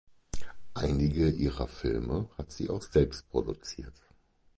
Einige ihrer Filme hat sie auch selbst produziert.